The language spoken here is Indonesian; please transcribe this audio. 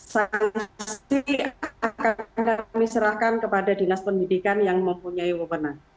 sanksi akan kami serahkan kepada dinas pendidikan yang mempunyai wabahan